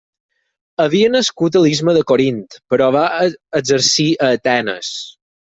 Havia nascut a l'istme de Corint, però va exercir a Atenes.